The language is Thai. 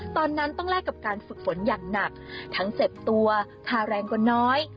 ตอนนั้นต้องแลกกับการฝึกฝนอย่างหนักทั้งเจ็บตัวค่าแรงกว่าน้อย